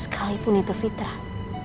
sekalipun itu fitrah